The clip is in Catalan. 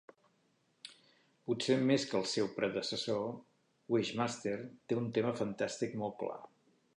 Potser més que el seu predecessor, "Wishmaster" té un tema fantàstic molt clar.